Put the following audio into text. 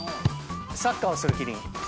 サッカーをするキリン。